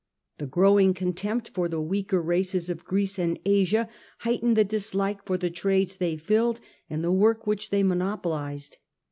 The growing contempt for the weaker races of Greece and Asia heightened the dislike for the trades they filled and the work which they monopolized.